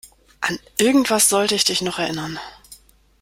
An irgendwas sollte ich dich noch erinnern.